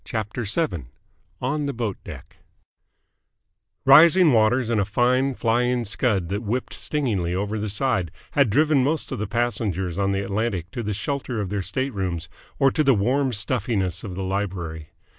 CHAPTER VII ON THE BOAT DECK Rising waters and a fine flying scud that whipped stingingly over the side had driven most of the passengers on the Atlantic to the shelter of their staterooms or to the warm stuffiness of the library.